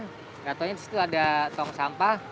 tidak tahunya di situ ada tong sampah